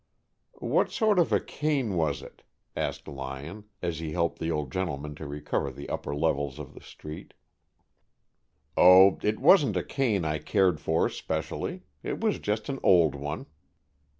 "What sort of a cane was it?" asked Lyon, as he helped the old gentleman to recover the upper levels of the street. "Oh, it wasn't a cane I cared for specially. It was just an old one."